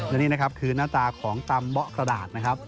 และนี่นะครับคือหน้าตาของตำเบาะกระดาษนะครับ